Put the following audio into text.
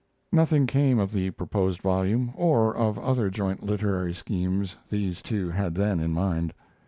Nothing came of the proposed volume, or of other joint literary schemes these two had then in mind.